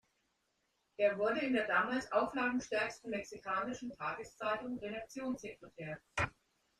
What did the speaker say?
Er wurde in der damals auflagenstärksten mexikanischen Tageszeitung Redaktionssekretär.